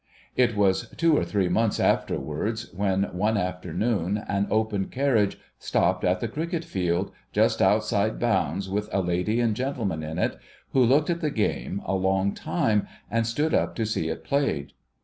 It was two or three months afterwards, when, one afternoon, an open carriage stopped at the cricket field, just outside bounds, with a lady and gentleman in it, who looked at the game a long time and stood up to see it played.